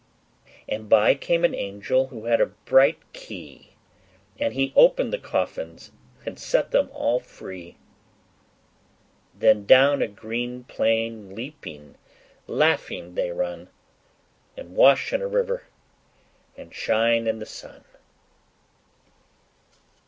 And by came an angel, who had a bright key, And he opened the coffins, and set them all free; Then down a green plain, leaping, laughing, they run And wash in a river, and shine in the sun.